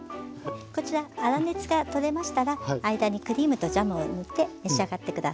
こちら粗熱が取れましたら間にクリームとジャムを塗って召し上がって下さい。